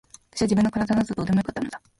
私は自分の体などどうでもよかったのだ。